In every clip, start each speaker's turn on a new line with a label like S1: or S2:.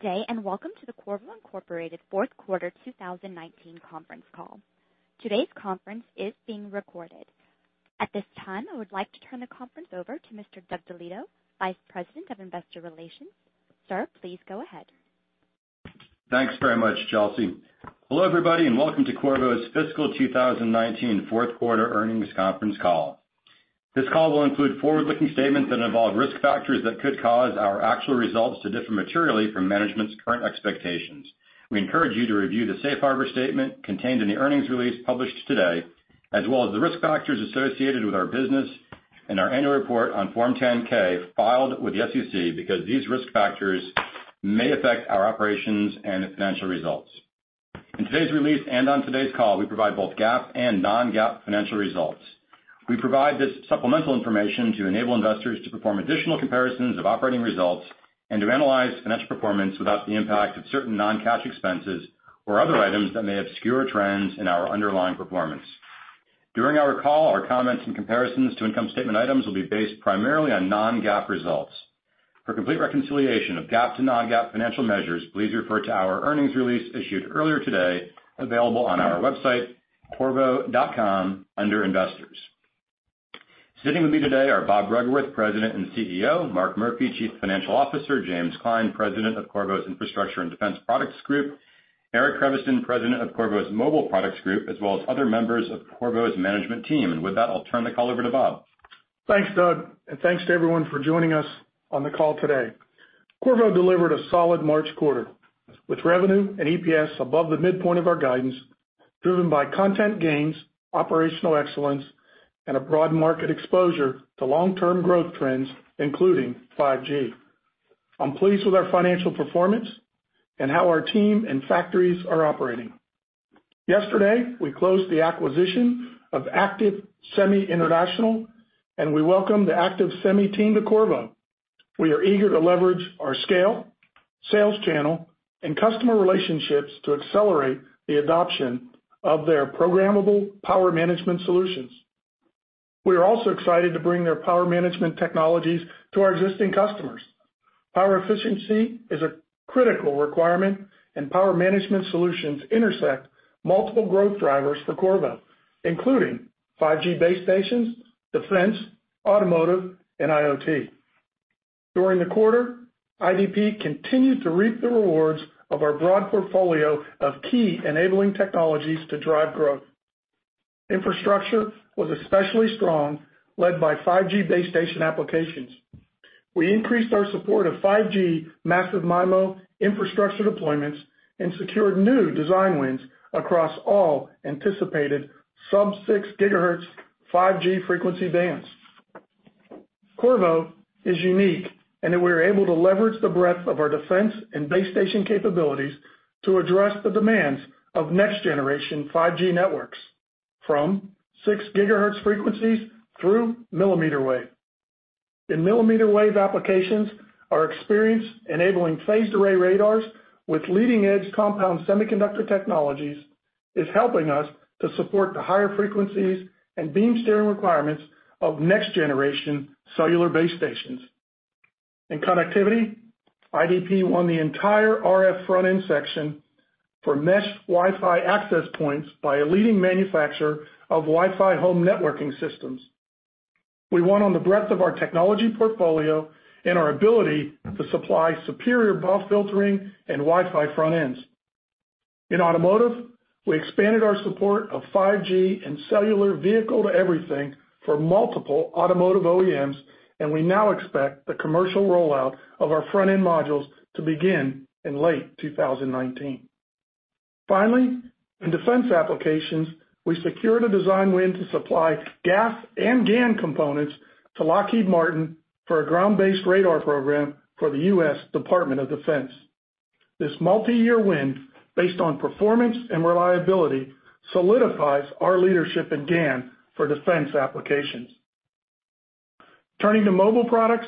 S1: Today, welcome to the Qorvo, Inc. fourth quarter 2019 conference call. Today's conference is being recorded. At this time, I would like to turn the conference over to Mr. Douglas DeLieto, Vice President of Investor Relations. Sir, please go ahead.
S2: Thanks very much, Chelsea. Hello, everybody, and welcome to Qorvo's fiscal 2019 fourth quarter earnings conference call. This call will include forward-looking statements that involve risk factors that could cause our actual results to differ materially from management's current expectations. We encourage you to review the safe harbor statement contained in the earnings release published today, as well as the risk factors associated with our business in our annual report on Form 10-K filed with the SEC because these risk factors may affect our operations and financial results. In today's release and on today's call, we provide both GAAP and non-GAAP financial results. We provide this supplemental information to enable investors to perform additional comparisons of operating results and to analyze financial performance without the impact of certain non-cash expenses or other items that may obscure trends in our underlying performance. During our call, our comments and comparisons to income statement items will be based primarily on non-GAAP results. For complete reconciliation of GAAP to non-GAAP financial measures, please refer to our earnings release issued earlier today, available on our website, qorvo.com, under Investors. Sitting with me today are Bob Bruggeworth, President and CEO, Mark Murphy, Chief Financial Officer, James Klein, President of Qorvo's Infrastructure and Defense Products Group, Eric Creviston, President of Qorvo's Mobile Products Group, as well as other members of Qorvo's management team. With that, I'll turn the call over to Bob.
S3: Thanks, Doug. Thanks to everyone for joining us on the call today. Qorvo delivered a solid March quarter, with revenue and EPS above the midpoint of our guidance, driven by content gains, operational excellence, and a broad market exposure to long-term growth trends, including 5G. I'm pleased with our financial performance and how our team and factories are operating. Yesterday, we closed the acquisition of Active-Semi International. We welcome the Active-Semi team to Qorvo. We are eager to leverage our scale, sales channel, and customer relationships to accelerate the adoption of their programmable power management solutions. We are also excited to bring their power management technologies to our existing customers. Power efficiency is a critical requirement, and power management solutions intersect multiple growth drivers for Qorvo, including 5G base stations, defense, automotive, and IoT. During the quarter, IDP continued to reap the rewards of our broad portfolio of key enabling technologies to drive growth. Infrastructure was especially strong, led by 5G base station applications. We increased our support of 5G Massive MIMO infrastructure deployments and secured new design wins across all anticipated sub-6 gigahertz 5G frequency bands. Qorvo is unique in that we are able to leverage the breadth of our defense and base station capabilities to address the demands of next-generation 5G networks, from 6 gigahertz frequencies through millimeter wave. In millimeter wave applications, our experience enabling phased array radars with leading-edge compound semiconductor technologies is helping us to support the higher frequencies and beam steering requirements of next-generation cellular base stations. In connectivity, IDP won the entire RF front-end section for mesh Wi-Fi access points by a leading manufacturer of Wi-Fi home networking systems. We won on the breadth of our technology portfolio and our ability to supply superior BAW filtering and Wi-Fi front ends. In automotive, we expanded our support of 5G and Cellular Vehicle-to-Everything for multiple automotive OEMs, and we now expect the commercial rollout of our front-end modules to begin in late 2019. Finally, in defense applications, we secured a design win to supply GaAs and GaN components to Lockheed Martin for a ground-based radar program for the U.S. Department of Defense. This multiyear win based on performance and reliability solidifies our leadership in GaN for defense applications. Turning to Mobile Products,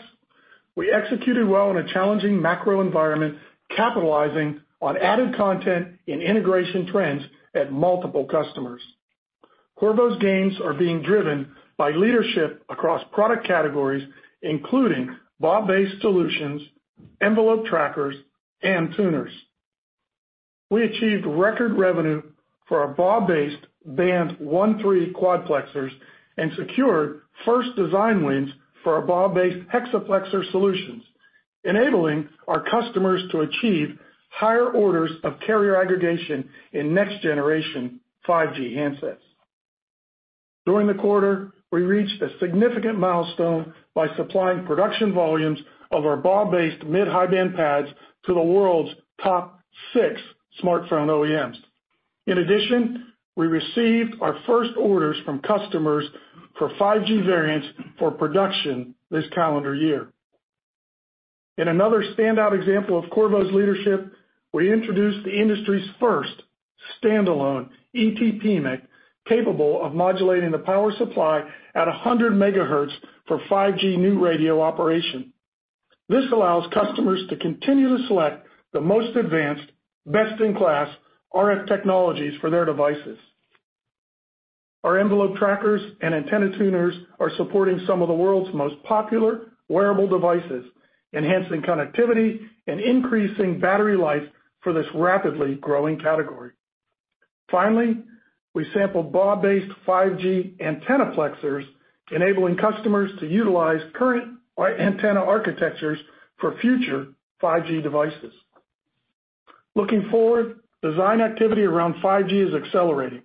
S3: we executed well in a challenging macro environment, capitalizing on added content and integration trends at multiple customers. Qorvo's gains are being driven by leadership across product categories, including BAW-based solutions, envelope trackers, and tuners. We achieved record revenue for our BAW-based band 1/3 quadplexers and secured first design wins for our BAW-based hexaplexer solutions, enabling our customers to achieve higher orders of carrier aggregation in next-generation 5G handsets. During the quarter, we reached a significant milestone by supplying production volumes of our BAW-based mid-high band PADs to the world's top six smartphone OEMs. In addition, we received our first orders from customers for 5G variants for production this calendar year. In another standout example of Qorvo's leadership, we introduced the industry's first standalone ET PMIC capable of modulating the power supply at 100 MHz for 5G New Radio operation. This allows customers to continue to select the most advanced, best-in-class RF technologies for their devices. Our envelope trackers and antenna tuners are supporting some of the world's most popular wearable devices, enhancing connectivity and increasing battery life for this rapidly growing category. Finally, we sampled BAW-based 5G antennaplexers, enabling customers to utilize current antenna architectures for future 5G devices. Looking forward, design activity around 5G is accelerating,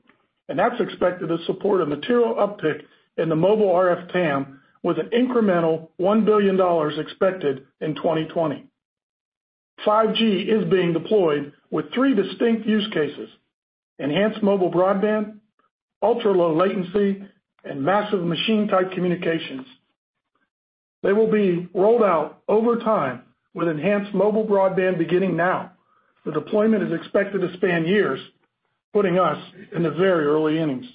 S3: and that's expected to support a material uptick in the mobile RF TAM, with an incremental $1 billion expected in 2020. 5G is being deployed with three distinct use cases: Enhanced Mobile Broadband, ultra-low latency, and Massive Machine-Type Communications. They will be rolled out over time, with Enhanced Mobile Broadband beginning now. The deployment is expected to span years, putting us in the very early innings.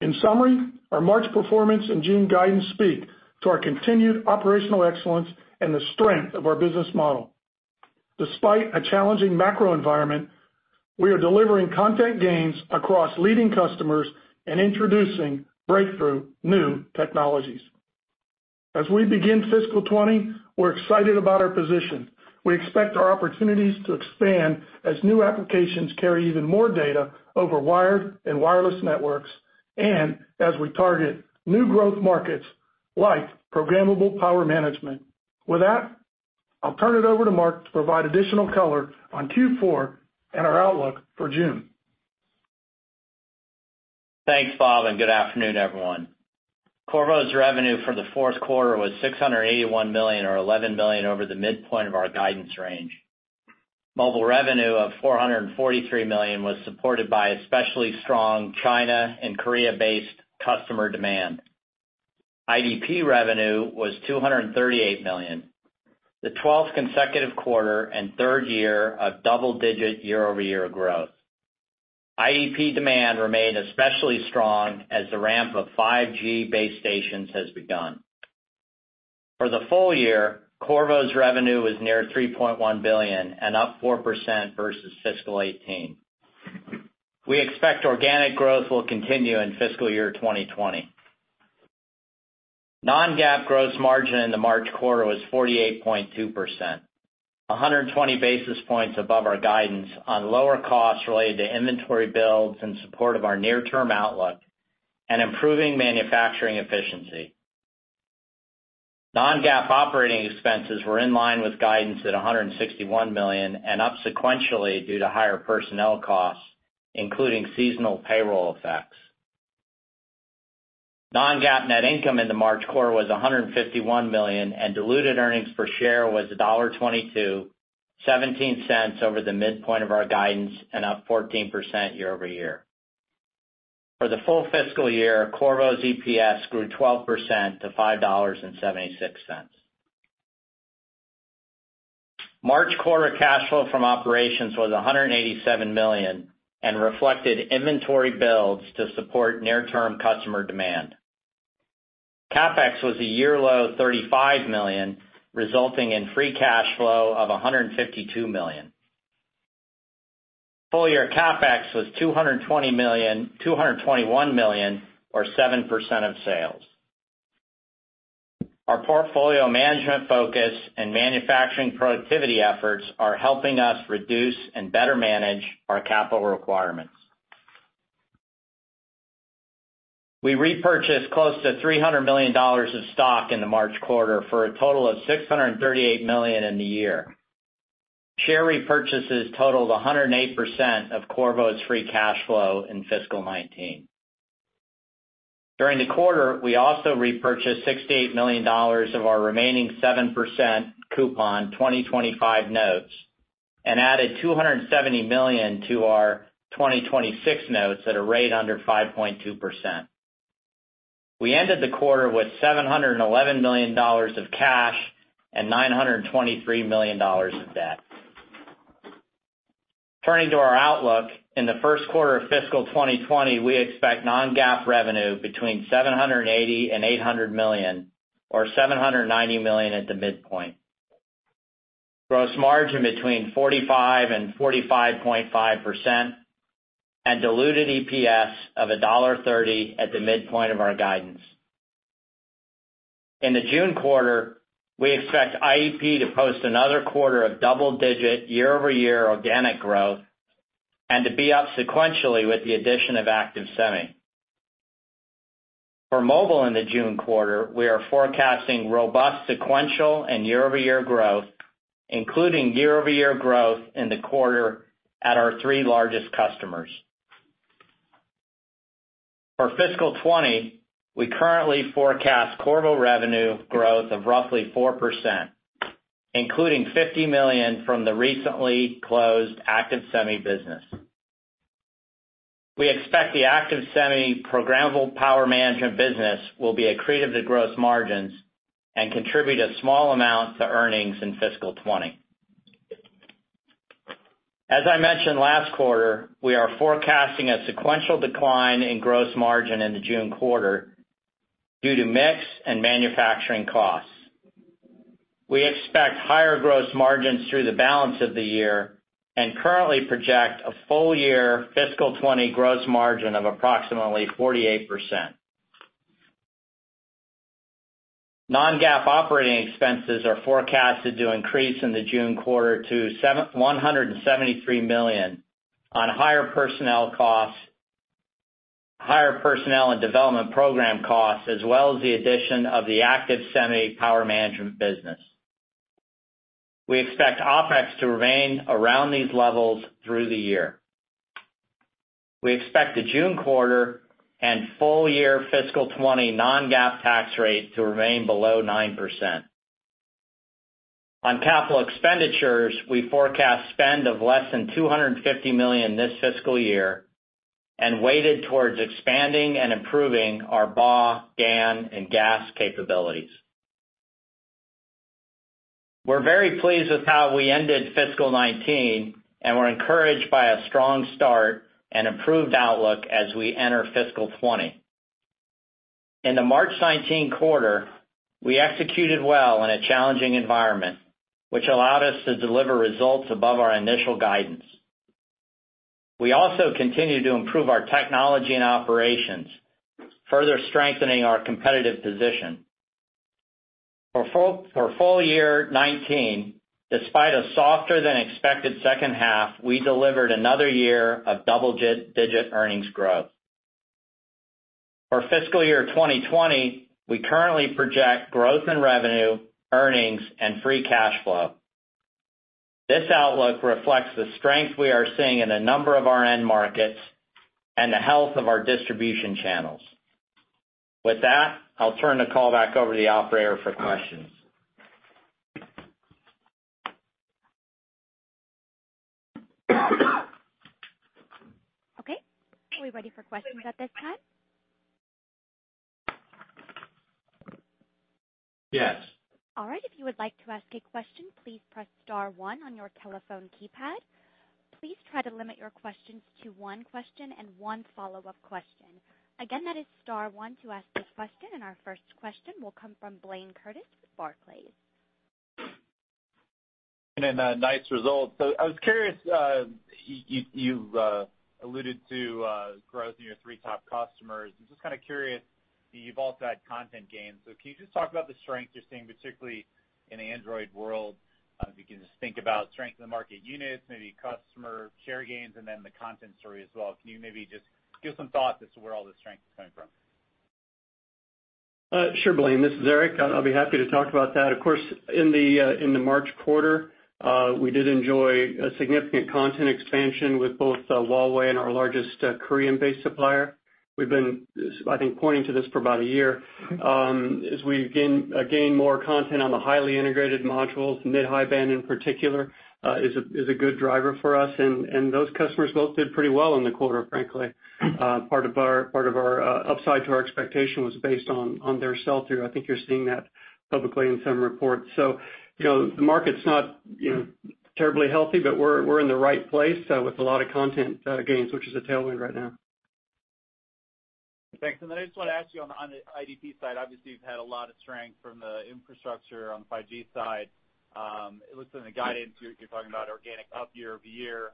S3: In summary, our March performance and June guidance speak to our continued operational excellence and the strength of our business model. Despite a challenging macro environment, we are delivering content gains across leading customers and introducing breakthrough new technologies. As we begin fiscal 2020, we're excited about our position. We expect our opportunities to expand as new applications carry even more data over wired and wireless networks, and as we target new growth markets like programmable power management. With that, I'll turn it over to Mark to provide additional color on Q4 and our outlook for June.
S4: Thanks, Bob, and good afternoon, everyone. Qorvo's revenue for the fourth quarter was $681 million, or $11 million over the midpoint of our guidance range. Mobile revenue of $443 million was supported by especially strong China and Korea-based customer demand. IDP revenue was $238 million, the 12th consecutive quarter and third year of double-digit year-over-year growth. IDP demand remained especially strong as the ramp of 5G base stations has begun. For the full year, Qorvo's revenue was near $3.1 billion and up 4% versus fiscal 2018. We expect organic growth will continue in fiscal year 2020. Non-GAAP gross margin in the March quarter was 48.2%, 120 basis points above our guidance on lower costs related to inventory builds in support of our near-term outlook and improving manufacturing efficiency. Non-GAAP operating expenses were in line with guidance at $161 million and up sequentially due to higher personnel costs, including seasonal payroll effects. Non-GAAP net income in the March quarter was $151 million, and diluted earnings per share was $1.22, $0.17 over the midpoint of our guidance and up 14% year-over-year. For the full fiscal year, Qorvo's EPS grew 12% to $5.76. March quarter cash flow from operations was $187 million and reflected inventory builds to support near-term customer demand. CapEx was a year low $35 million, resulting in free cash flow of $152 million. Full year CapEx was $221 million, or 7% of sales. Our portfolio management focus and manufacturing productivity efforts are helping us reduce and better manage our capital requirements. We repurchased close to $300 million of stock in the March quarter for a total of $638 million in the year. Share repurchases totaled 108% of Qorvo's free cash flow in fiscal 2019. During the quarter, we also repurchased $68 million of our remaining 7% coupon 2025 notes and added $270 million to our 2026 notes at a rate under 5.2%. We ended the quarter with $711 million of cash and $923 million of debt. Turning to our outlook, in the first quarter of fiscal 2020, we expect non-GAAP revenue between $780 million and $800 million, or $790 million at the midpoint. Gross margin between 45%-45.5%, and diluted EPS of $1.30 at the midpoint of our guidance. In the June quarter, we expect IDP to post another quarter of double-digit year-over-year organic growth and to be up sequentially with the addition of Active-Semi. For mobile in the June quarter, we are forecasting robust sequential and year-over-year growth, including year-over-year growth in the quarter at our three largest customers. For fiscal 2020, we currently forecast Qorvo revenue growth of roughly 4%, including $50 million from the recently closed Active-Semi business. We expect the Active-Semi programmable power management business will be accretive to gross margins and contribute a small amount to earnings in fiscal 2020. As I mentioned last quarter, we are forecasting a sequential decline in gross margin in the June quarter due to mix and manufacturing costs. We expect higher gross margins through the balance of the year, and currently project a full year fiscal 2020 gross margin of approximately 48%. Non-GAAP operating expenses are forecasted to increase in the June quarter to $173 million on higher personnel and development program costs, as well as the addition of the Active-Semi power management business. We expect OpEx to remain around these levels through the year. We expect the June quarter and full year fiscal 2020 non-GAAP tax rate to remain below 9%. On capital expenditures, we forecast spend of less than $250 million this fiscal year, and weighted towards expanding and improving our BAW, GaN, and GaAs capabilities. We're very pleased with how we ended fiscal 2019, and we're encouraged by a strong start and improved outlook as we enter fiscal 2020. In the March 2019 quarter, we executed well in a challenging environment, which allowed us to deliver results above our initial guidance. We also continue to improve our technology and operations, further strengthening our competitive position. For full year 2019, despite a softer than expected second half, we delivered another year of double-digit earnings growth. For fiscal year 2020, we currently project growth in revenue, earnings, and free cash flow. This outlook reflects the strength we are seeing in a number of our end markets and the health of our distribution channels. With that, I'll turn the call back over to the operator for questions.
S1: Okay. Are we ready for questions at this time?
S4: Yes.
S1: All right. If you would like to ask a question, please press star one on your telephone keypad. Please try to limit your questions to one question and one follow-up question. Again, that is star one to ask a question. Our first question will come from Blayne Curtis with Barclays.
S5: Nice results. I was curious, you've alluded to growth in your three top customers. I'm just kind of curious, you've also had content gains. Can you just talk about the strength you're seeing, particularly in the Android world? If you can just think about strength in the market units, maybe customer share gains, and then the content story as well. Can you maybe just give some thoughts as to where all the strength is coming from?
S6: Sure, Blayne. This is Eric. I'll be happy to talk about that. Of course, in the March quarter, we did enjoy a significant content expansion with both Huawei and our largest Korean-based supplier. We've been, I think, pointing to this for about a year. As we gain more content on the highly integrated modules, mid-high band in particular, is a good driver for us. Those customers both did pretty well in the quarter, frankly. Part of our upside to our expectation was based on their sell-through. I think you're seeing that publicly in some reports. The market's not terribly healthy, but we're in the right place with a lot of content gains, which is a tailwind right now.
S5: Thanks. Then I just want to ask you on the IDP side, obviously you've had a lot of strength from the infrastructure on the 5G side. It looks in the guidance, you're talking about organic up year-over-year,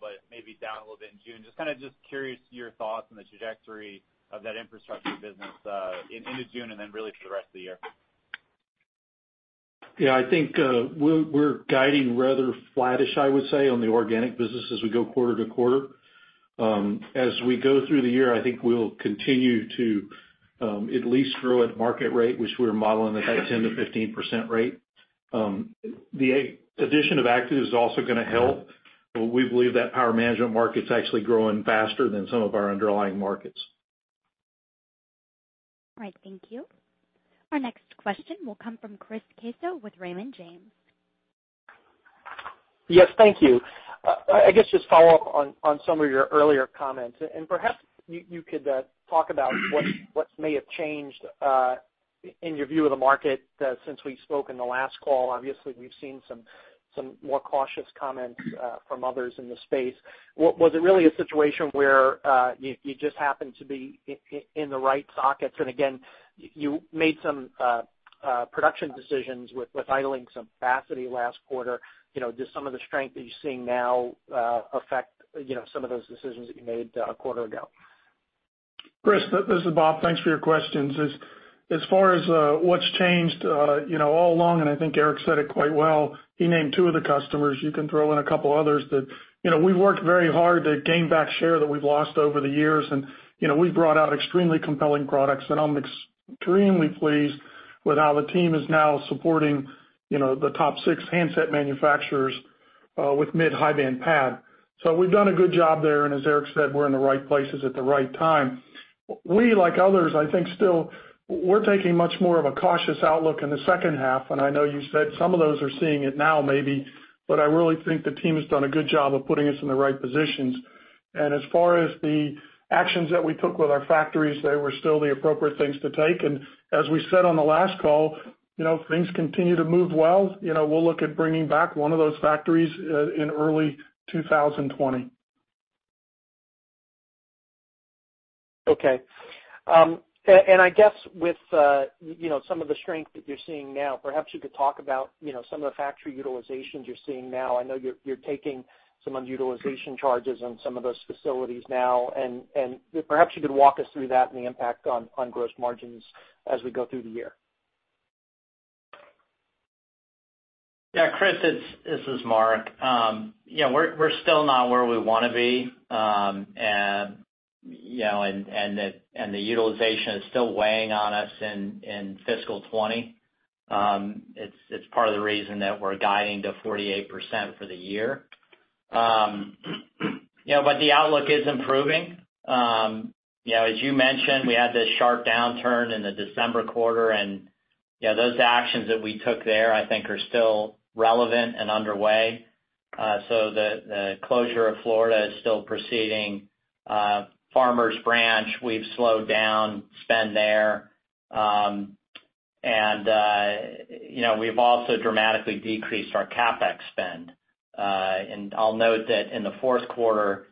S5: but maybe down a little bit in June. Just kind of curious your thoughts on the trajectory of that infrastructure business into June and then really for the rest of the year.
S6: Yeah, I think we're guiding rather flattish, I would say, on the organic business as we go quarter-over-quarter. As we go through the year, I think we'll continue to at least grow at market rate, which we're modeling at that 10%-15% rate. The addition of Active is also going to help. We believe that power management market's actually growing faster than some of our underlying markets.
S1: All right, thank you. Our next question will come from Chris Caso with Raymond James.
S7: Yes, thank you. I guess just follow up on some of your earlier comments. Perhaps you could talk about what may have changed in your view of the market since we spoke in the last call. Obviously, we've seen some more cautious comments from others in the space. Was it really a situation where you just happened to be in the right sockets? Again, you made some production decisions with idling some capacity last quarter. Does some of the strength that you're seeing now affect some of those decisions that you made a quarter ago?
S3: Chris, this is Bob. Thanks for your questions. As far as what's changed, all along, and I think Eric said it quite well, he named two of the customers. You can throw in a couple others that we've worked very hard to gain back share that we've lost over the years, and we've brought out extremely compelling products. I'm extremely pleased with how the team is now supporting the top 6 handset manufacturers with mid-high band PAD. We've done a good job there, and as Eric said, we're in the right places at the right time. We, like others, I think still, we're taking much more of a cautious outlook in the second half, and I know you said some of those are seeing it now maybe. I really think the team has done a good job of putting us in the right positions.
S4: As far as the actions that we took with our factories, they were still the appropriate things to take. As we said on the last call, if things continue to move well, we'll look at bringing back one of those factories in early 2020.
S7: Okay. I guess with some of the strength that you're seeing now, perhaps you could talk about some of the factory utilizations you're seeing now. I know you're taking some underutilization charges on some of those facilities now, perhaps you could walk us through that and the impact on gross margins as we go through the year.
S4: Yeah, Chris, this is Mark. We're still not where we want to be. The utilization is still weighing on us in fiscal 2020. It's part of the reason that we're guiding to 48% for the year. The outlook is improving. As you mentioned, we had this sharp downturn in the December quarter, those actions that we took there, I think, are still relevant and underway. The closure of Florida is still proceeding. Farmers Branch, we've slowed down spend there. We've also dramatically decreased our CapEx spend. I'll note that in the fourth quarter,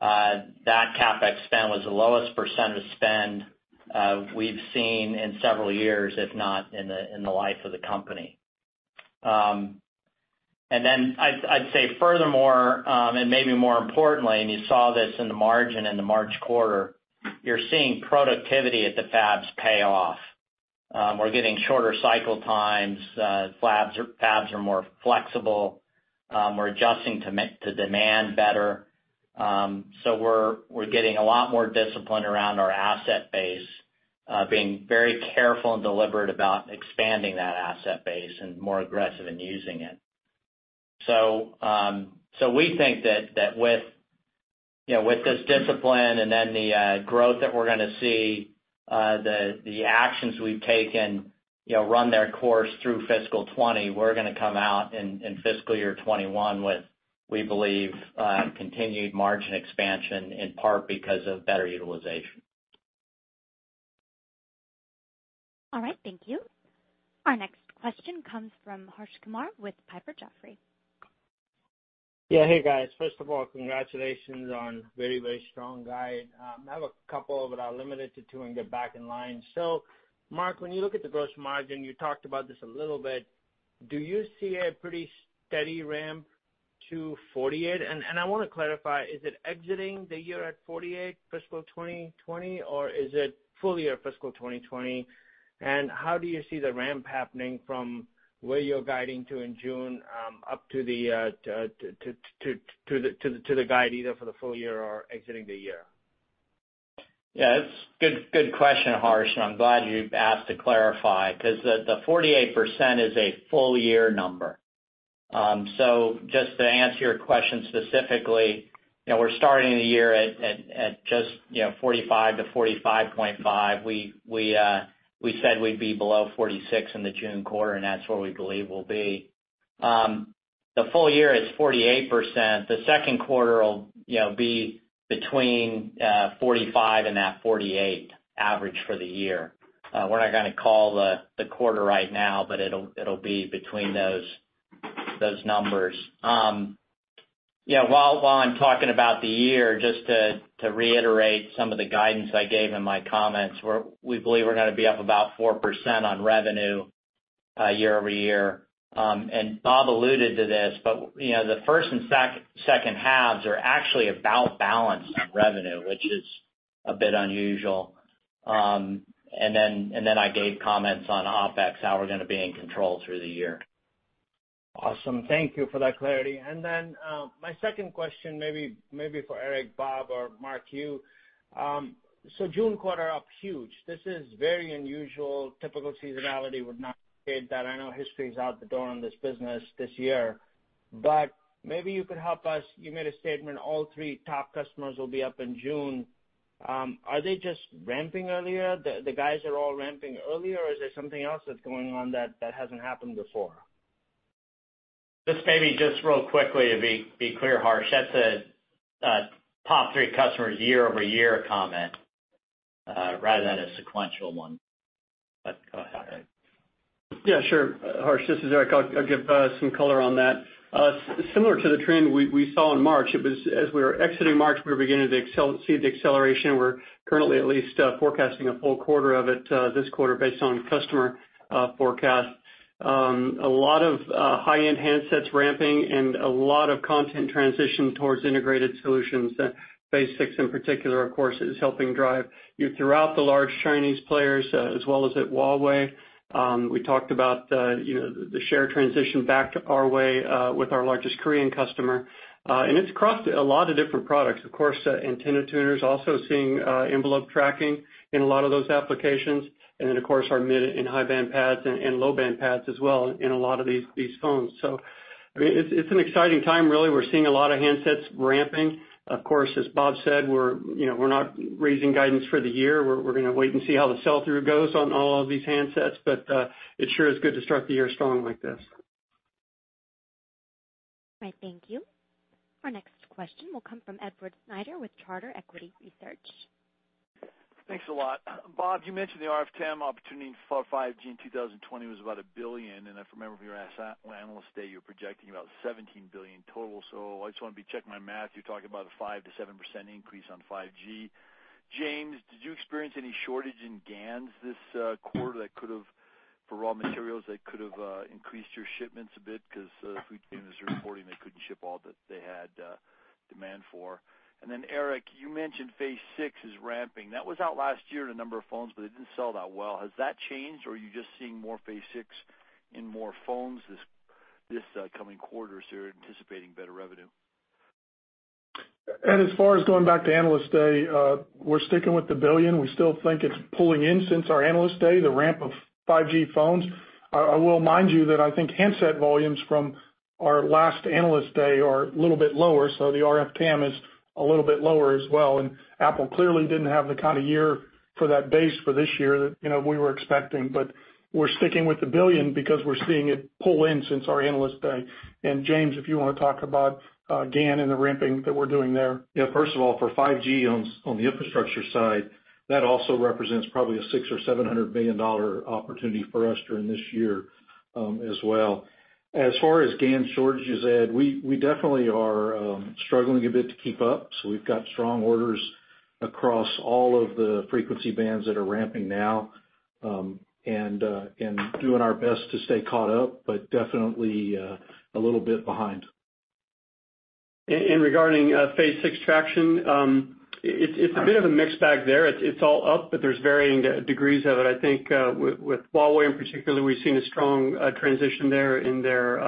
S4: that CapEx spend was the lowest percentage spend we've seen in several years, if not in the life of the company. Then I'd say furthermore, maybe more importantly, you saw this in the margin in the March quarter, you're seeing productivity at the fabs pay off. We're getting shorter cycle times, fabs are more flexible. We're adjusting to demand better. We're getting a lot more discipline around our asset base, being very careful and deliberate about expanding that asset base and more aggressive in using it. We think that with this discipline and the growth that we're going to see, the actions we've taken run their course through fiscal 2020, we're going to come out in fiscal year 2021 with, we believe, continued margin expansion, in part because of better utilization.
S1: All right, thank you. Our next question comes from Harsh Kumar with Piper Jaffray.
S8: Yeah. Hey, guys. First of all, congratulations on very strong guide. I have a couple, but I'll limit it to two and get back in line. Mark, when you look at the gross margin, you talked about this a little bit. Do you see a pretty steady ramp to 48%? I want to clarify, is it exiting the year at 48% fiscal 2020, or is it full year fiscal 2020? How do you see the ramp happening from where you're guiding to in June, up to the guide either for the full year or exiting the year?
S4: Yeah, it's a good question, Harsh, I'm glad you've asked to clarify, because the 48% is a full year number. Just to answer your question specifically, we're starting the year at just 45%-45.5%. We said we'd be below 46% in the June quarter, and that's where we believe we'll be. The full year is 48%. The second quarter will be between 45% and that 48% average for the year. We're not going to call the quarter right now, but it'll be between those numbers. While I'm talking about the year, just to reiterate some of the guidance I gave in my comments, we believe we're going to be up about 4% on revenue year-over-year. Bob alluded to this, but the first and second halves are actually about balanced on revenue, which is a bit unusual. I gave comments on OpEx, how we're going to be in control through the year.
S8: Thank you for that clarity. My second question, maybe for Eric, Bob, or Mark. June quarter up huge. This is very unusual. Typical seasonality would not indicate that. I know history is out the door on this business this year. Maybe you could help us. You made a statement, all three top customers will be up in June. Are they just ramping earlier? The guys are all ramping earlier, or is there something else that's going on that hasn't happened before?
S4: This maybe just real quickly to be clear, Harsh. That's a top three customers year-over-year comment, rather than a sequential one. Go ahead, Eric.
S6: Sure, Harsh. This is Eric. I'll give some color on that. Similar to the trend we saw in March, as we were exiting March, we were beginning to see the acceleration. We're currently at least forecasting a full quarter of it this quarter based on customer forecast. A lot of high-end handsets ramping and a lot of content transition towards integrated solutions. Phase 6 in particular, of course, is helping drive you throughout the large Chinese players as well as at Huawei. We talked about the share transition back to Huawei with our largest Korean customer. It's crossed a lot of different products. Of course, antenna tuners also seeing envelope tracking in a lot of those applications. Of course, our mid-high band PADs and low-band PADs as well in a lot of these phones. It's an exciting time, really. We're seeing a lot of handsets ramping. Of course, as Bob said, we're not raising guidance for the year. We're going to wait and see how the sell-through goes on all of these handsets, it sure is good to start the year strong like this.
S1: All right. Thank you. Our next question will come from Edward Snyder with Charter Equity Research.
S9: Thanks a lot. Bob, you mentioned the RF TAM opportunity for 5G in 2020 was about $1 billion. If I remember from your Analyst Day, you're projecting about $17 billion total. I just want to check my math. You're talking about a 5%-7% increase on 5G. James, did you experience any shortage in GaN this quarter that could have increased your shipments a bit because the supply chain is reporting they couldn't ship all that they had demand for. Eric, you mentioned Phase 6 is ramping. That was out last year in a number of phones, but it didn't sell that well. Has that changed or are you just seeing more Phase 6 in more phones this coming quarter, so you're anticipating better revenue?
S3: Ed, as far as going back to Analyst Day, we're sticking with the $1 billion. We still think it's pulling in since our Analyst Day, the ramp of 5G phones. I will remind you that I think handset volumes from our last Analyst Day are a little bit lower, so the RF TAM is a little bit lower as well. Apple clearly didn't have the kind of year for that base for this year that we were expecting. We're sticking with the $1 billion because we're seeing it pull in since our Analyst Day. James, if you want to talk about GaN and the ramping that we're doing there.
S10: Yeah. First of all, for 5G on the infrastructure side, that also represents probably a $600 billion or $700 billion opportunity for us during this year as well. As far as GaN shortages, Ed, we definitely are struggling a bit to keep up. We've got strong orders across all of the frequency bands that are ramping now, and doing our best to stay caught up, but definitely a little bit behind.
S6: Regarding Phase 6 traction, it's a bit of a mixed bag there. It's all up, there's varying degrees of it. I think with Huawei in particular, we've seen a strong transition there in their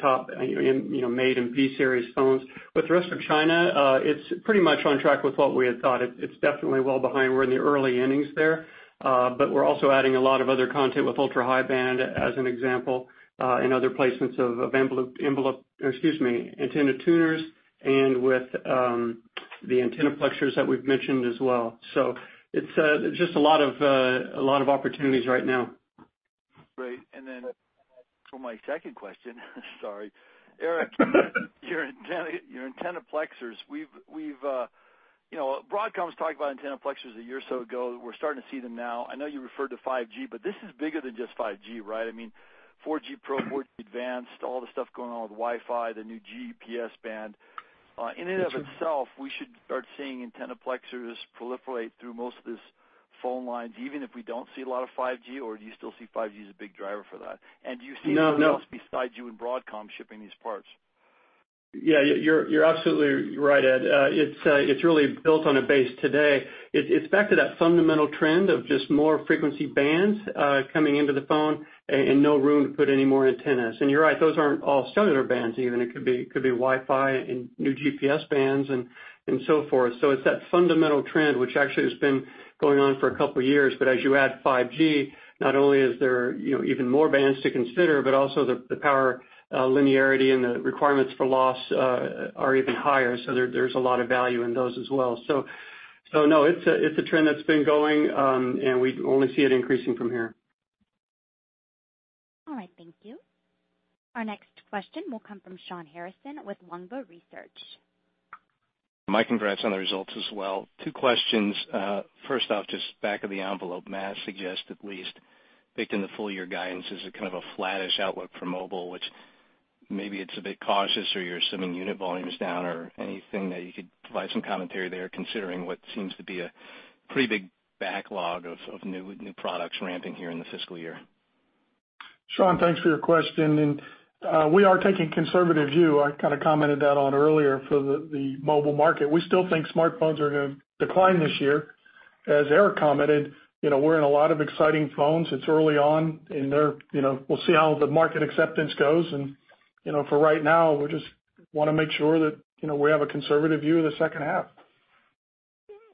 S6: top, Mate and P Series phones. With the rest of China, it's pretty much on track with what we had thought. It's definitely well behind. We're in the early innings there. We're also adding a lot of other content with ultra-high band, as an example, and other placements of antenna tuners and with the antennaplexers that we've mentioned as well. It's just a lot of opportunities right now.
S9: Great. Eric, your antennaplexers. Broadcom's talked about antennaplexers a year or so ago. We're starting to see them now. I know you referred to 5G, this is bigger than just 5G, right? I mean, LTE-Advanced Pro, LTE-Advanced, all the stuff going on with Wi-Fi, the new GPS band. In and of itself, we should start seeing antennaplexers proliferate through most of these phone lines, even if we don't see a lot of 5G, or do you still see 5G as a big driver for that? Do you see-
S6: No
S9: anyone else besides you and Broadcom shipping these parts?
S6: Yeah, you're absolutely right, Ed. It's really built on a base today. It's back to that fundamental trend of just more frequency bands coming into the phone and no room to put any more antennas. You're right, those aren't all cellular bands even. It could be Wi-Fi and new GPS bands and so forth. It's that fundamental trend, which actually has been going on for a couple of years. As you add 5G, not only is there even more bands to consider, but also the power linearity and the requirements for loss are even higher. There's a lot of value in those as well. No, it's a trend that's been going, and we only see it increasing from here.
S1: All right, thank you. Our next question will come from Shawn Harrison with Longbow Research.
S11: My congrats on the results as well. Two questions. First off, just back of the envelope, Mark suggests at least, baked in the full year guidance is a kind of a flattish outlook for Mobile, which maybe it's a bit cautious or you're assuming unit volume is down or anything that you could provide some commentary there, considering what seems to be a pretty big backlog of new products ramping here in the fiscal year.
S3: Shawn, thanks for your question. We are taking a conservative view. I kind of commented that on earlier for the Mobile market. We still think smartphones are going to decline this year. As Eric commented, we're in a lot of exciting phones. It's early on, and we'll see how the market acceptance goes. For right now, we just want to make sure that we have a conservative view of the second half.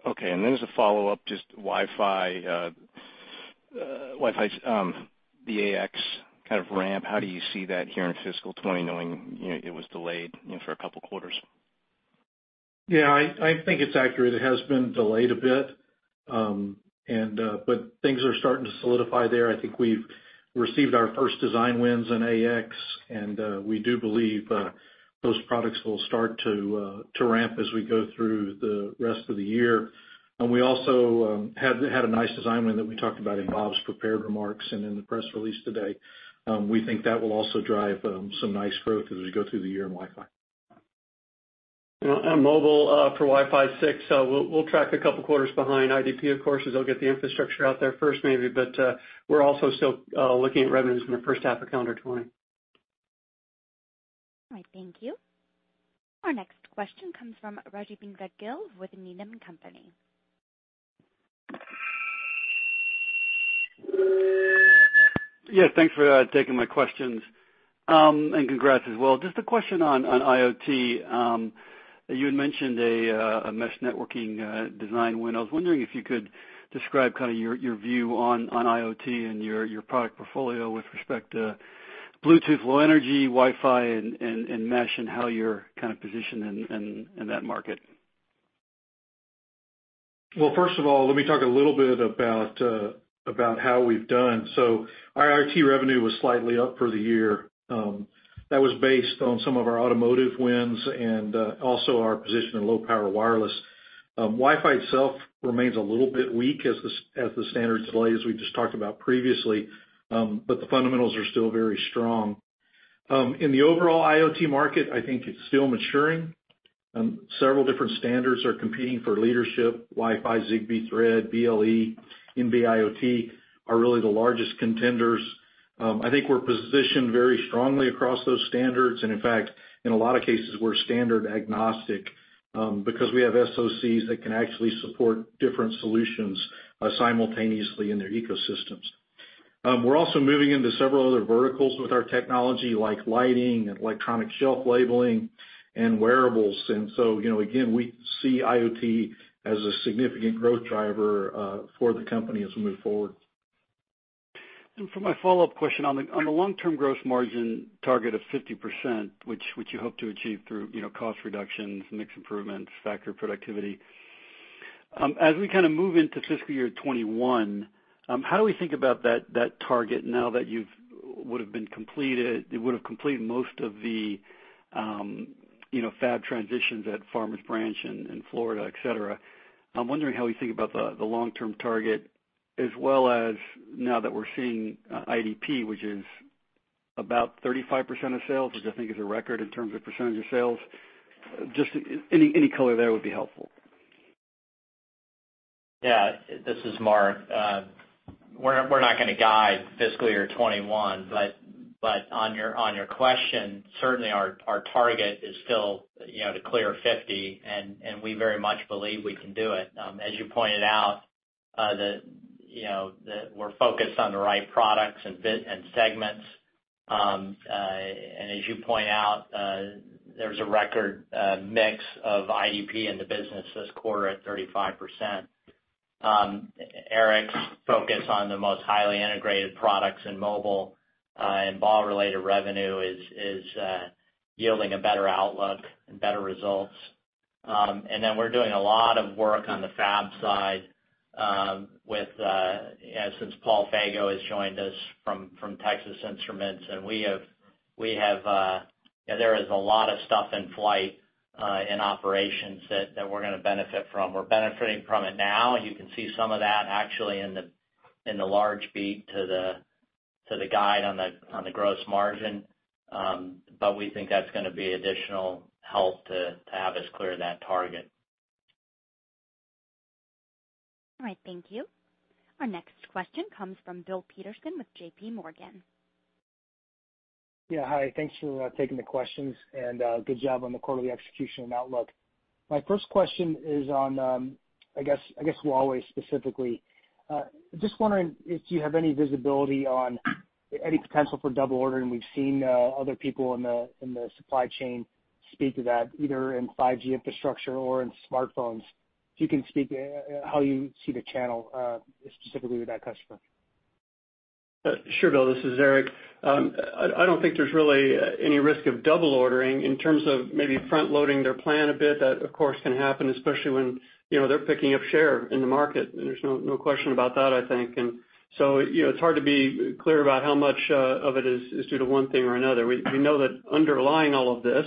S11: Okay, as a follow-up, just Wi-Fi, the AX kind of ramp. How do you see that here in fiscal 2020, knowing it was delayed for a couple of quarters?
S10: I think it's accurate. It has been delayed a bit. Things are starting to solidify there. I think we've received our first design wins in AX, and we do believe those products will start to ramp as we go through the rest of the year. We also have had a nice design win that we talked about in Bob's prepared remarks and in the press release today. We think that will also drive some nice growth as we go through the year in Wi-Fi.
S6: On mobile for Wi-Fi 6, we'll track a couple of quarters behind IDP, of course, as they'll get the infrastructure out there first maybe. We're also still looking at revenues in the first half of calendar 2020.
S1: Thank you. Our next question comes from Rajvindra Gill with Needham & Company.
S12: Thanks for taking my questions, and congrats as well. Just a question on IoT. You had mentioned a mesh networking design win. I was wondering if you could describe kind of your view on IoT and your product portfolio with respect to Bluetooth Low Energy, Wi-Fi and mesh, and how you're kind of positioned in that market.
S10: First of all, let me talk a little bit about how we've done. Our IoT revenue was slightly up for the year. That was based on some of our automotive wins and also our position in low-power wireless. Wi-Fi itself remains a little bit weak as the standard is delayed, as we just talked about previously. The fundamentals are still very strong.
S6: In the overall IoT market, I think it's still maturing. Several different standards are competing for leadership. Wi-Fi, Zigbee, Thread, BLE, NB-IoT are really the largest contenders. I think we're positioned very strongly across those standards, and in fact, in a lot of cases, we're standard agnostic because we have SoCs that can actually support different solutions simultaneously in their ecosystems. We're also moving into several other verticals with our technology, like lighting and electronic shelf labeling and wearables. Again, we see IoT as a significant growth driver for the company as we move forward.
S12: For my follow-up question, on the long-term gross margin target of 50%, which you hope to achieve through cost reductions, mix improvements, factor productivity, as we move into FY 2021, how do we think about that target now that you would've completed most of the fab transitions at Farmer's Branch in Florida, et cetera? I'm wondering how we think about the long-term target, as well as now that we're seeing IDP, which is about 35% of sales, which I think is a record in terms of percentage of sales. Just any color there would be helpful.
S4: Yeah. This is Mark. We're not going to guide FY 2021, on your question, certainly our target is still to clear 50, and we very much believe we can do it. As you pointed out, we're focused on the right products and fit and segments. As you point out, there's a record mix of IDP in the business this quarter at 35%. Eric's focus on the most highly integrated products in mobile and BAW-related revenue is yielding a better outlook and better results. We're doing a lot of work on the fab side since Paul Fego has joined us from Texas Instruments. There is a lot of stuff in flight in operations that we're gonna benefit from. We're benefiting from it now, and you can see some of that actually in the large beat to the guide on the gross margin. We think that's going to be additional help to have us clear that target.
S1: All right. Thank you. Our next question comes from Bill Peterson with JPMorgan.
S13: Yeah. Hi, thanks for taking the questions, and good job on the quarterly execution and outlook. My first question is on, I guess Huawei specifically. Just wondering if you have any visibility on any potential for double ordering. We've seen other people in the supply chain speak to that, either in 5G infrastructure or in smartphones. If you can speak how you see the channel specifically with that customer.
S6: Sure, Bill. This is Eric. I don't think there's really any risk of double ordering in terms of maybe front-loading their plan a bit. That, of course, can happen, especially when they're picking up share in the market, and there's no question about that, I think. So it's hard to be clear about how much of it is due to one thing or another. We know that underlying all of this,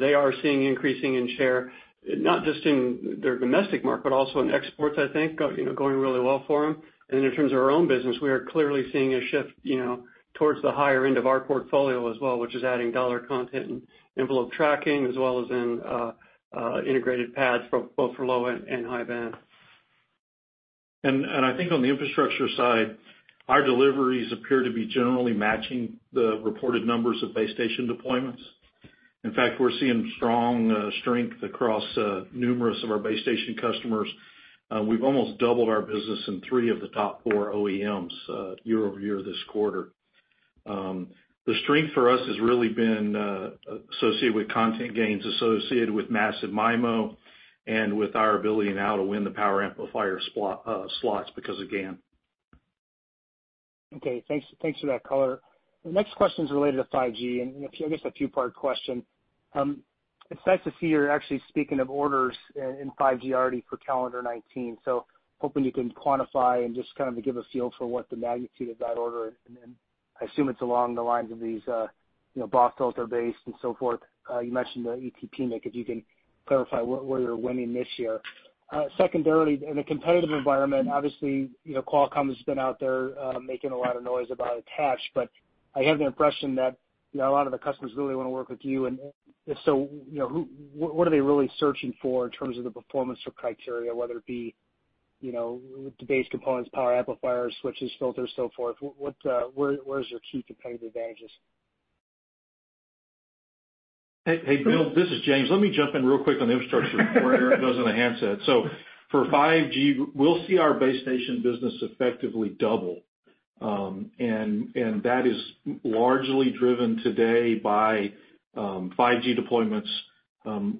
S6: they are seeing increasing in share, not just in their domestic market, but also in exports, I think, going really well for them. In terms of our own business, we are clearly seeing a shift towards the higher end of our portfolio as well, which is adding dollar content and envelope tracking, as well as in integrated PADs, both for low and high band. I think on the infrastructure side, our deliveries appear to be generally matching the reported numbers of base station deployments. In fact, we're seeing strong strength across numerous of our base station customers. We've almost doubled our business in three of the top four OEMs year-over-year this quarter. The strength for us has really been associated with content gains associated with Massive MIMO and with our ability now to win the power amplifier slots because of GaN.
S13: Okay, thanks for that color. The next question's related to 5G. I guess a two-part question. It's nice to see you're actually speaking of orders in 5G already for calendar 2019, so hoping you can quantify and just kind of give a feel for what the magnitude of that order. I assume it's along the lines of these BAW filter base and so forth. You mentioned the ET PMIC. If you can clarify where you're winning this year. Secondarily, in a competitive environment, obviously, Qualcomm has been out there making a lot of noise about attach, but I have the impression that a lot of the customers really want to work with you. What are they really searching for in terms of the performance or criteria, whether it be the base components, power amplifiers, switches, filters, so forth? Where's your key competitive advantages?
S10: Hey, Bill, this is James. Let me jump in real quick on the infrastructure before Eric goes on the handsets. For 5G, we'll see our base station business effectively double. That is largely driven today by 5G deployments.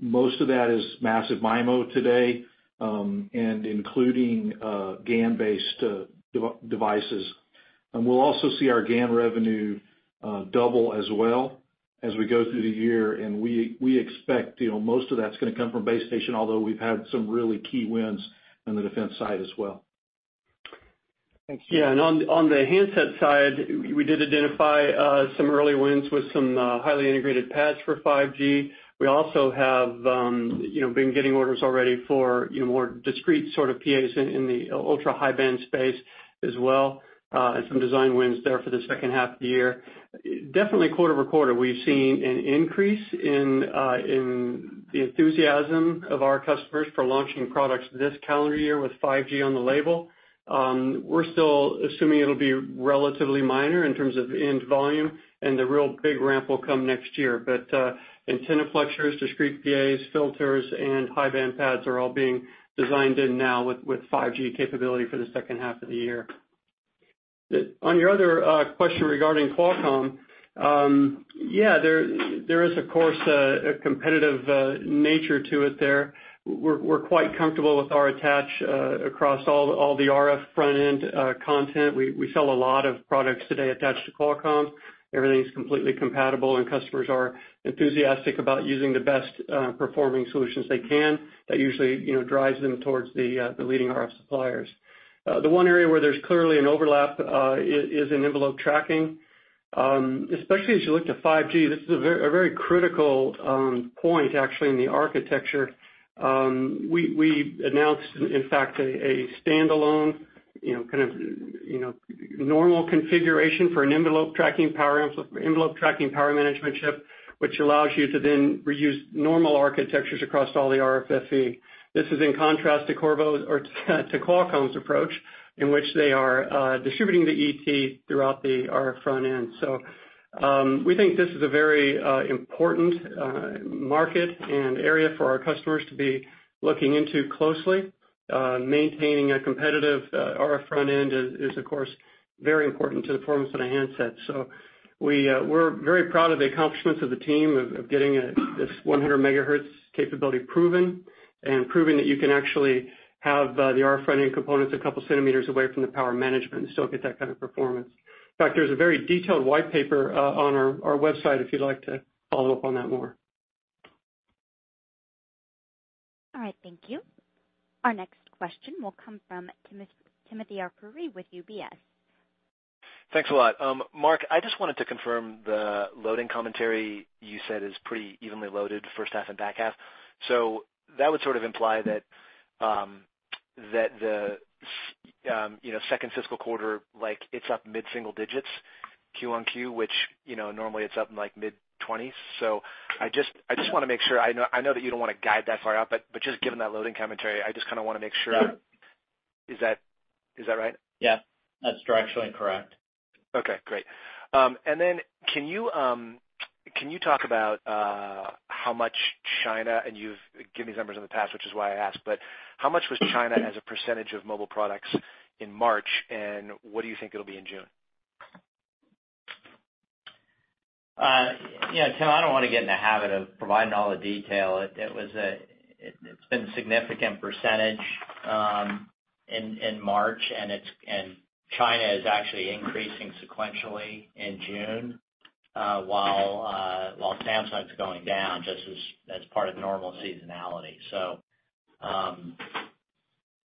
S10: Most of that is Massive MIMO today, including GaN-based devices. We'll also see our GaN revenue double as well as we go through the year, and we expect most of that's gonna come from base station, although we've had some really key wins on the defense side as well.
S13: Thanks.
S6: On the handset side, we did identify some early wins with some highly integrated pads for 5G. We also have been getting orders already for more discrete sort of PAs in the ultra-high-band space as well, and some design wins there for the second half of the year. Definitely quarter-over-quarter, we've seen an increase in the enthusiasm of our customers for launching products this calendar year with 5G on the label. We're still assuming it'll be relatively minor in terms of end volume and the real big ramp will come next year. Antennaplexers, discrete PAs, filters, and high-band pads are all being designed in now with 5G capability for the second half of the year. On your other question regarding Qualcomm, yeah, there is of course a competitive nature to it there. We're quite comfortable with our attach across all the RF front-end content. We sell a lot of products today attached to Qualcomm. Everything's completely compatible and customers are enthusiastic about using the best performing solutions they can. That usually drives them towards the leading RF suppliers. The one area where there's clearly an overlap is in envelope tracking. Especially as you look to 5G, this is a very critical point actually in the architecture. We announced, in fact, a standalone kind of normal configuration for an envelope tracking power management chip, which allows you to then reuse normal architectures across all the RFFE. This is in contrast to Qualcomm's approach, in which they are distributing the ET throughout the RF front-end. We think this is a very important market and area for our customers to be looking into closely. Maintaining a competitive RF front-end is, of course, very important to the performance of the handset. We're very proud of the accomplishments of the team of getting this 100 MHz capability proven, and proving that you can actually have the RF front-end components a couple centimeters away from the power management and still get that kind of performance. In fact, there's a very detailed white paper on our website if you'd like to follow up on that more.
S1: All right. Thank you. Our next question will come from Timothy Arcuri with UBS.
S14: Thanks a lot. Mark, I just wanted to confirm the loading commentary you said is pretty evenly loaded first half and back half. That would sort of imply that the second fiscal quarter, it's up mid-single digits QOQ, which normally it's up in like mid-20s. I just want to make sure. I know that you don't want to guide that far out, but just given that loading commentary, I just kind of want to make sure. Is that right?
S4: Yeah. That's directionally correct.
S14: Okay, great. Then can you talk about how much China, and you've given these numbers in the past, which is why I asked, but how much was China as a % of Mobile Products in March, and what do you think it'll be in June?
S6: Tim, I don't want to get in the habit of providing all the detail. It's been a significant % in March, China is actually increasing sequentially in June, while Samsung's going down, just as part of normal seasonality.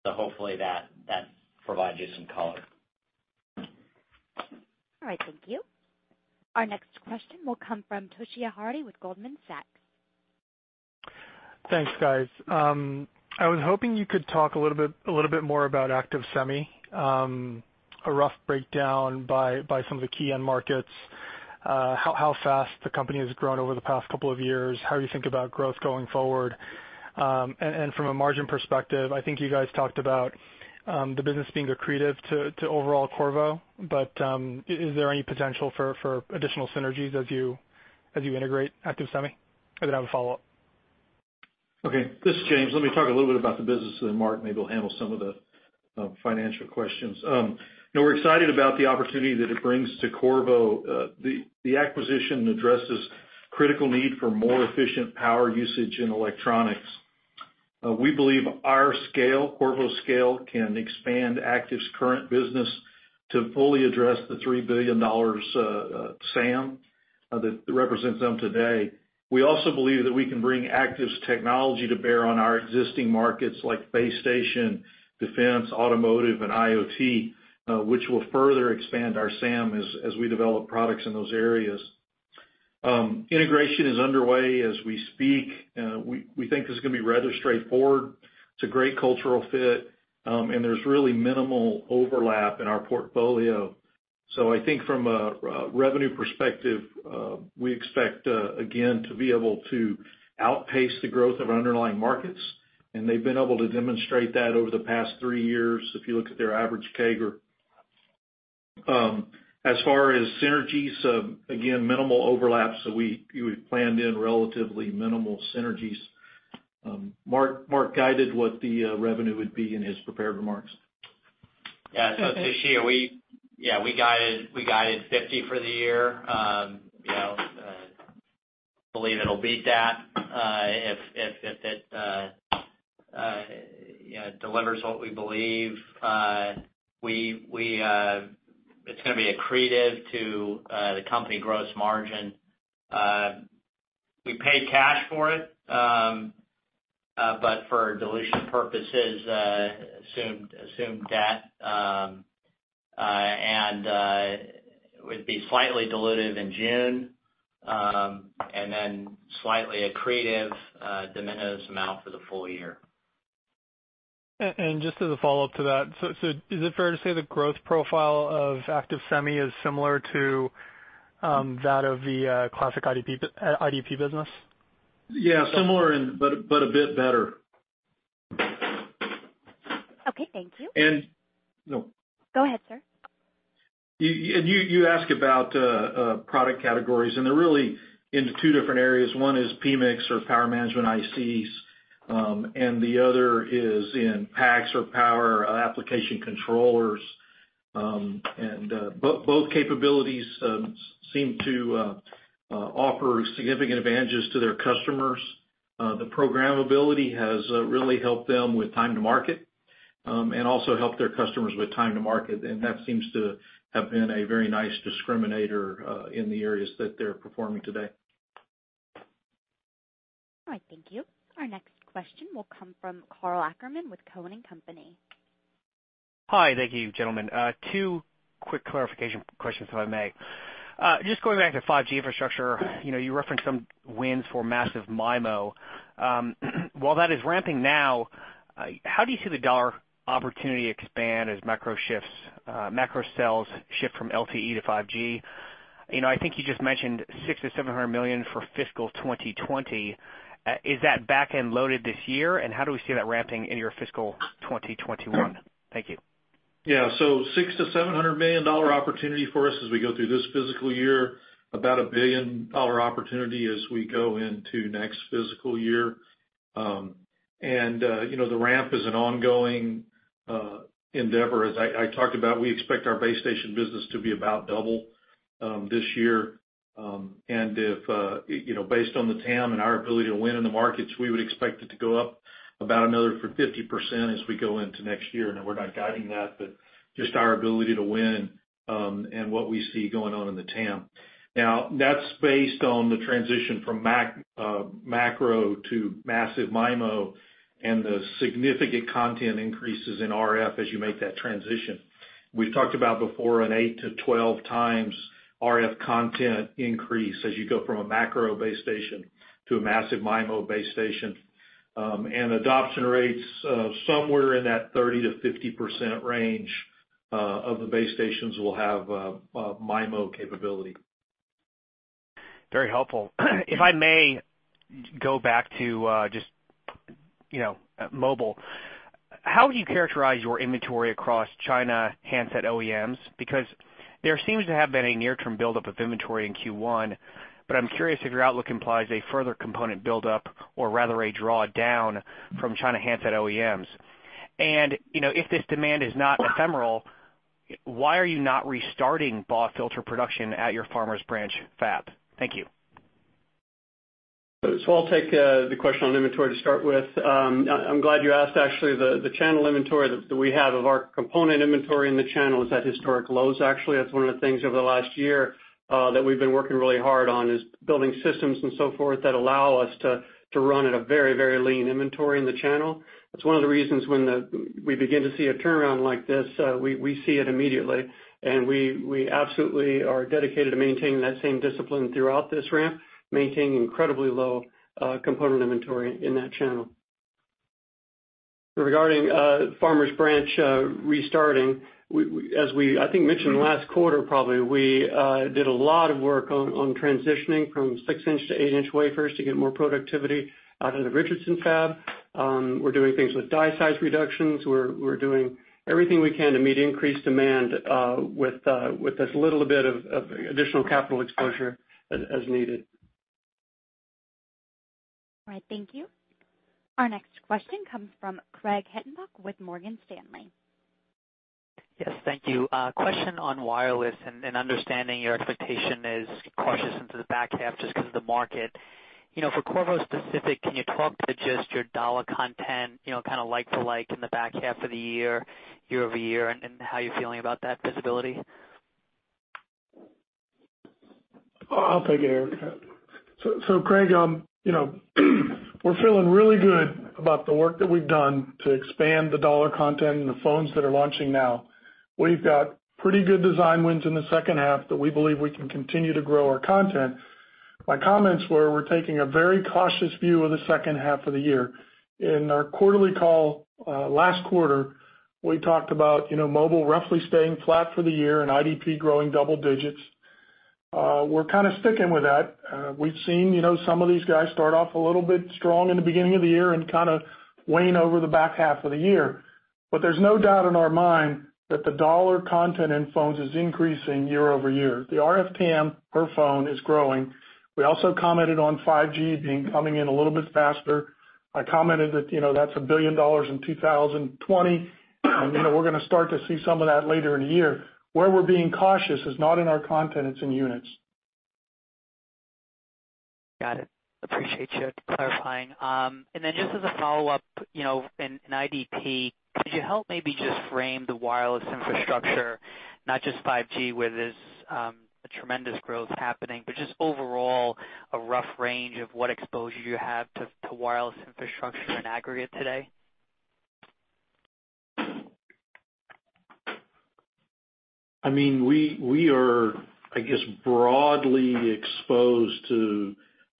S6: Hopefully that provides you some color.
S1: All right. Thank you. Our next question will come from Toshiya Hari with Goldman Sachs.
S15: Thanks, guys. I was hoping you could talk a little bit more about Active-Semi, a rough breakdown by some of the key end markets, how fast the company has grown over the past couple of years, how you think about growth going forward. From a margin perspective, I think you guys talked about the business being accretive to overall Qorvo, but is there any potential for additional synergies as you integrate Active-Semi? I have a follow-up.
S10: Okay, this is James. Let me talk a little bit about the business, then Mark maybe will handle some of the financial questions. We're excited about the opportunity that it brings to Qorvo. The acquisition addresses critical need for more efficient power usage in electronics. We believe our scale, Qorvo's scale, can expand Active's current business to fully address the $3 billion SAM that represents them today. We also believe that we can bring Active's technology to bear on our existing markets like base station, defense, automotive, and IoT, which will further expand our SAM as we develop products in those areas. Integration is underway as we speak. We think this is going to be rather straightforward. It's a great cultural fit, and there's really minimal overlap in our portfolio. I think from a revenue perspective, we expect, again, to be able to outpace the growth of our underlying markets, and they've been able to demonstrate that over the past three years, if you look at their average CAGR. As far as synergies, again, minimal overlap, so we planned in relatively minimal synergies. Mark guided what the revenue would be in his prepared remarks.
S4: Yeah. Toshiya, we guided $50 for the year. Believe it'll beat that, if it delivers what we believe. It's going to be accretive to the company gross margin. We paid cash for it. For dilution purposes, assumed debt would be slightly dilutive in June, and then slightly accretive de minimis amount for the full year.
S15: Just as a follow-up to that, is it fair to say the growth profile of Active-Semi is similar to that of the classic IDP business?
S10: Yeah, similar, a bit better.
S1: Okay, thank you.
S10: No.
S1: Go ahead, sir.
S10: You ask about product categories, and they're really into two different areas. One is PMICs or power management ICs, and the other is in PACS or power application controllers. Both capabilities seem to offer significant advantages to their customers. The programmability has really helped them with time to market, and also helped their customers with time to market, that seems to have been a very nice discriminator in the areas that they're performing today.
S1: All right, thank you. Our next question will come from Karl Ackerman with Cowen and Company.
S16: Hi. Thank you, gentlemen. Two quick clarification questions, if I may. Just going back to 5G infrastructure, you referenced some wins for massive MIMO. While that is ramping now, how do you see the dollar opportunity expand as macro sells shift from LTE to 5G? I think you just mentioned $600 million-$700 million for fiscal 2020. Is that back-end loaded this year? How do we see that ramping in your fiscal 2021? Thank you.
S10: Yeah. $600 million-$700 million opportunity for us as we go through this fiscal year, about a $1 billion opportunity as we go into next fiscal year. The ramp is an ongoing endeavor. As I talked about, we expect our base station business to be about double this year. Based on the TAM and our ability to win in the markets, we would expect it to go up about another 50% as we go into next year. We're not guiding that, but just our ability to win, and what we see going on in the TAM. That's based on the transition from macro to Massive MIMO and the significant content increases in RF as you make that transition. We've talked about before an 8-12 times RF content increase as you go from a macro base station to a Massive MIMO base station. Adoption rates somewhere in that 30%-50% range of the base stations will have MIMO capability.
S16: Very helpful. If I may go back to just mobile, how would you characterize your inventory across China handset OEMs? There seems to have been a near-term buildup of inventory in Q1, but I'm curious if your outlook implies a further component buildup or rather a draw down from China handset OEMs. If this demand is not ephemeral, why are you not restarting BAW filter production at your Farmers Branch fab? Thank you.
S6: I'll take the question on inventory to start with. I'm glad you asked, actually. The channel inventory that we have of our component inventory in the channel is at historic lows, actually. That's one of the things over the last year that we've been working really hard on, is building systems and so forth that allow us to run at a very lean inventory in the channel. That's one of the reasons when we begin to see a turnaround like this, we see it immediately, and we absolutely are dedicated to maintaining that same discipline throughout this ramp, maintaining incredibly low component inventory in that channel. Regarding Farmers Branch restarting, as we, I think, mentioned last quarter probably, we did a lot of work on transitioning from 6-inch to 8-inch wafers to get more productivity out of the Richardson fab. We're doing things with die size reductions. We're doing everything we can to meet increased demand with as little a bit of additional capital exposure as needed.
S1: All right, thank you. Our next question comes from Craig Hettenbach with Morgan Stanley.
S17: Yes, thank you. A question on wireless and understanding your expectation is cautious into the back half just because of the market. For Qorvo specific, can you talk to just your dollar content, kind of like for like in the back half of the year-over-year, and how you're feeling about that visibility?
S3: I'll take it, Eric. Craig, we're feeling really good about the work that we've done to expand the dollar content and the phones that are launching now. We've got pretty good design wins in the second half that we believe we can continue to grow our content. My comments were we're taking a very cautious view of the second half of the year. In our quarterly call, last quarter, we talked about mobile roughly staying flat for the year and IDP growing double digits. We're kind of sticking with that. We've seen some of these guys start off a little bit strong in the beginning of the year and kind of wane over the back half of the year. There's no doubt in our mind that the dollar content in phones is increasing year-over-year. The RF TAM per phone is growing. We also commented on 5G coming in a little bit faster. I commented that's a $1 billion in 2020, we're going to start to see some of that later in the year. Where we're being cautious is not in our content, it's in units.
S17: Got it. Appreciate you clarifying. Then just as a follow-up, in IDP, could you help maybe just frame the wireless infrastructure, not just 5G, where there's a tremendous growth happening, but just overall a rough range of what exposure you have to wireless infrastructure in aggregate today?
S10: We are, I guess, broadly exposed to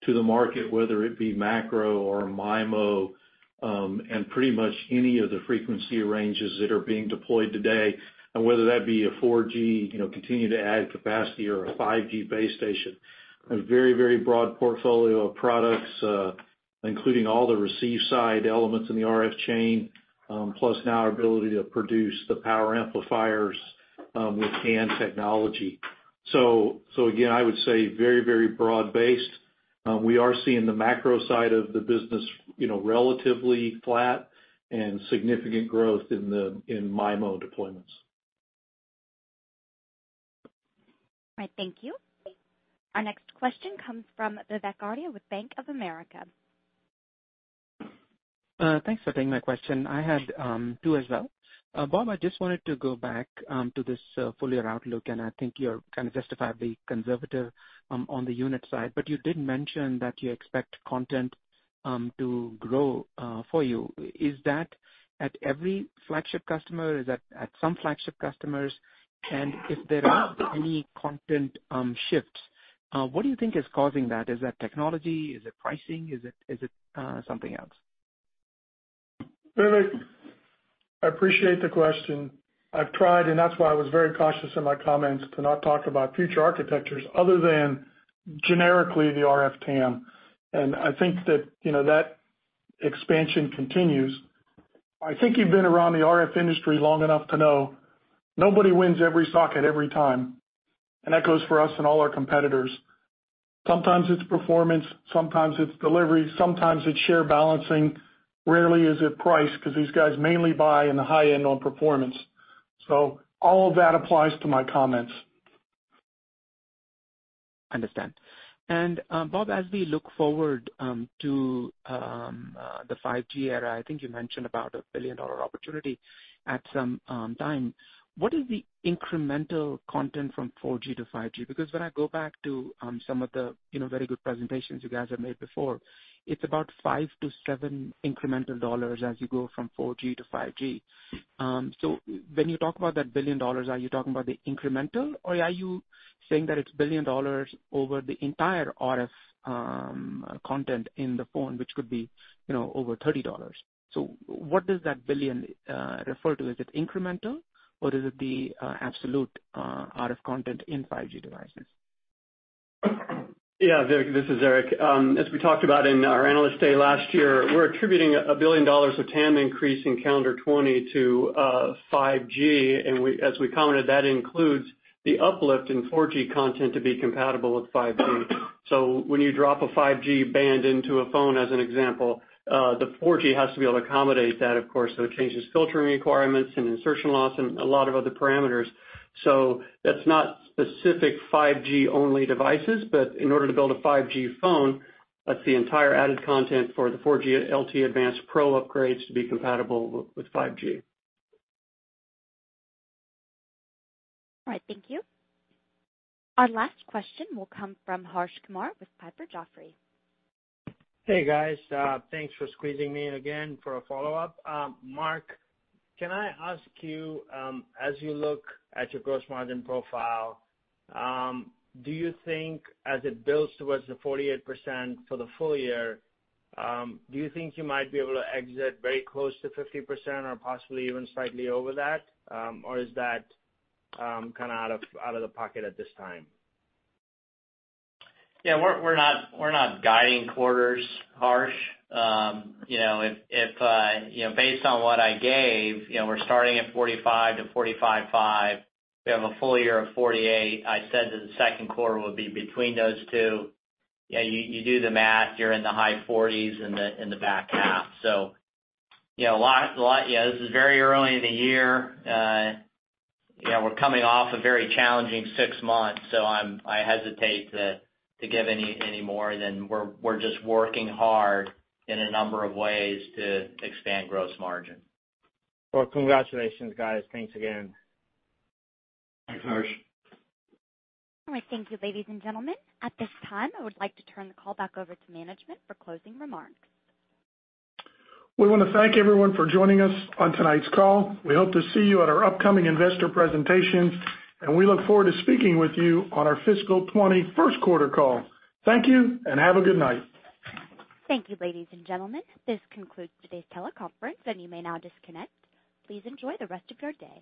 S10: the market, whether it be macro or MIMO, and pretty much any of the frequency ranges that are being deployed today, and whether that be a 4G, continue to add capacity or a 5G base station. A very broad portfolio of products, including all the receive side elements in the RF chain, plus now our ability to produce the power amplifiers with GaN technology. Again, I would say very broad-based. We are seeing the macro side of the business relatively flat and significant growth in MIMO deployments.
S1: All right. Thank you. Our next question comes from Vivek Arya with Bank of America.
S18: Thanks for taking my question. I had two as well. Bob, I just wanted to go back to this full-year outlook. I think you're kind of justifiably conservative on the unit side. You did mention that you expect content to grow for you. Is that at every flagship customer? Is that at some flagship customers? If there are any content shifts, what do you think is causing that? Is that technology? Is it pricing? Is it something else?
S3: Vivek, I appreciate the question. I've tried. That's why I was very cautious in my comments to not talk about future architectures other than generically the RF TAM. I think that expansion continues. I think you've been around the RF industry long enough to know nobody wins every socket every time. That goes for us and all our competitors. Sometimes it's performance, sometimes it's delivery, sometimes it's share balancing. Rarely is it price, because these guys mainly buy in the high end on performance. All of that applies to my comments.
S18: Understand. Bob, as we look forward to the 5G era, I think you mentioned about a billion-dollar opportunity at some time. What is the incremental content from 4G to 5G? When I go back to some of the very good presentations you guys have made before, it's about $5-$7 incremental dollars as you go from 4G to 5G. When you talk about that $1 billion, are you talking about the incremental, or are you saying that it's $1 billion over the entire RF content in the phone, which could be over $30? What does that billion refer to? Is it incremental or is it the absolute RF content in 5G devices?
S6: Yeah, Vivek, this is Eric. As we talked about in our Analyst Day last year, we're attributing a $1 billion of TAM increase in calendar 2020 to 5G. As we commented, that includes the uplift in 4G content to be compatible with 5G. When you drop a 5G band into a phone, as an example, the 4G has to be able to accommodate that, of course. It changes filtering requirements and insertion loss and a lot of other parameters. That's not specific 5G-only devices, but in order to build a 5G phone, that's the entire added content for the 4G LTE-Advanced Pro upgrades to be compatible with 5G.
S1: All right. Thank you. Our last question will come from Harsh Kumar with Piper Jaffray.
S8: Hey, guys. Thanks for squeezing me in again for a follow-up. Mark, can I ask you, as you look at your gross margin profile, do you think as it builds towards the 48% for the full year, do you think you might be able to exit very close to 50% or possibly even slightly over that? Or is that kind of out of the pocket at this time?
S4: Yeah, we're not guiding quarters, Harsh. Based on what I gave, we're starting at 45%-45.5%. We have a full year of 48%. I said that the second quarter would be between those two. Yeah, you do the math. You're in the high 40s in the back half. This is very early in the year. We're coming off a very challenging six months, I hesitate to give any more than we're just working hard in a number of ways to expand gross margin.
S8: Well, congratulations, guys. Thanks again.
S3: Thanks, Harsh.
S1: All right. Thank you, ladies and gentlemen. At this time, I would like to turn the call back over to management for closing remarks.
S3: We want to thank everyone for joining us on tonight's call. We hope to see you at our upcoming investor presentation, and we look forward to speaking with you on our fiscal 2020 first quarter call. Thank you, and have a good night.
S1: Thank you, ladies and gentlemen. This concludes today's teleconference and you may now disconnect. Please enjoy the rest of your day.